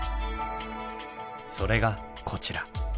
それがこちら。